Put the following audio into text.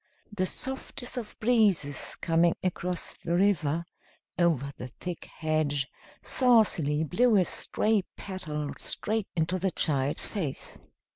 The softest of breezes coming across the river, over the thick hedge, saucily blew a stray petal straight into the child's face.